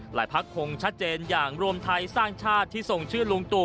พักคงชัดเจนอย่างรวมไทยสร้างชาติที่ส่งชื่อลุงตู่